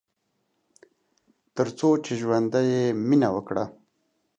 تر څو چې ژوندی يې ، مينه وکړه